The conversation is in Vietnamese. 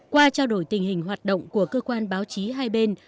qua trao đổi tình hình hoạt động của cơ quan báo chí hai bên